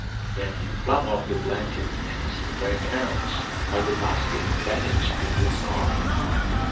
Then he flung off the blanket and sprang out, while the basket vanished in the sky.